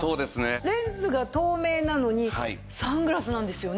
レンズが透明なのにサングラスなんですよね。